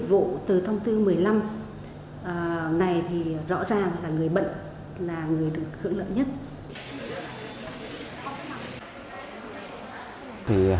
thông tư một mươi năm này thì rõ ràng là người bệnh là người được hưởng lợi nhất